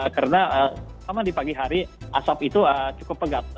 karena sama di pagi hari asap itu cukup pegat